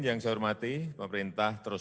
yang saya hormati pemerintah terus